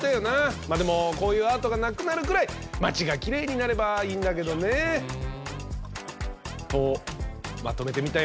まあでもこういうアートがなくなるくらい街がきれいになればいいんだけどね。とまとめてみたよ。